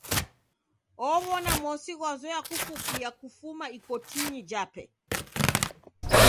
Ow'ona mosi ghwazoya kufukia kufuma ikotinyi jape.